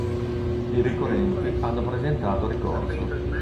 I ricorrenti hanno presentato ricorso.